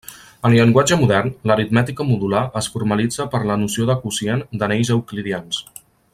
En llenguatge modern, l'aritmètica modular es formalitza per la noció de quocient d'anells euclidians.